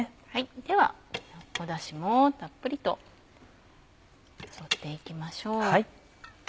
ではだしもたっぷりとよそっていきましょう。